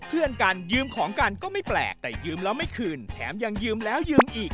เพื่อนกันยืมของกันก็ไม่แปลกแต่ยืมแล้วไม่คืนแถมยังยืมแล้วยืมอีก